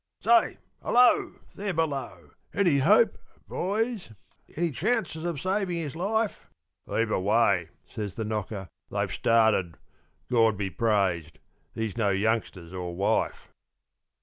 Say, hello! there below any hope, boys, any chances of saving his life?" "Heave away!" says the knocker. "They've started. God be praised, he's no youngsters or wife!"